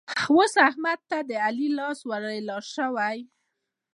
اوس احمد ته د علي لاس ور ايله شو.